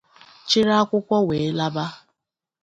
chịrị akwụkwọ wee laba